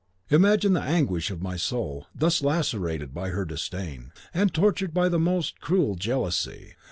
Imagine the anguish of my soul, thus lacerated by her disdain, and tortured by the most cruel jealousy.